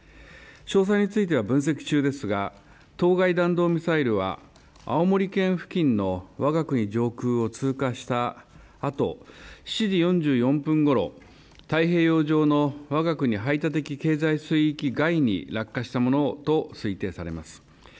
詳細については分析中ですが、当該弾道ミサイルは、青森県付近のわが国上空を通過したあと、７時４４分ごろ、太平洋上のわが国排他的経済水域外に落下したものと推定されます。